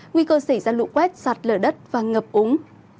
nguy cơ xảy ra lũ quét sạt lở đất và ngập úng